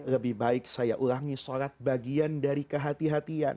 lebih baik saya ulangi sholat bagian dari kehati hatian